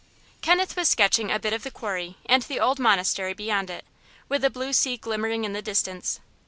Kenneth was sketching a bit of the quarry and the old monastery beyond it, with the blue sea glimmering in the distance.